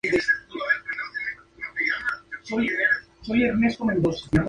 Drácula trata de sacrifica el alma de Vicki para reanimar a su novia Carmilla.